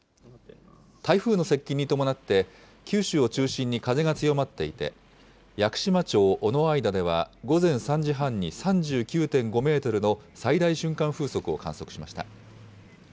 台風の接近に伴って、九州を中心に風が強まっていて、屋久島町尾之間では午前３時半に３９．５メートルの最大瞬間風速を観測しました。